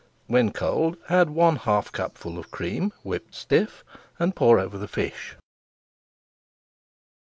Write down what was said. When cold, add one half cupful of cream whipped stiff, and pour over the fish.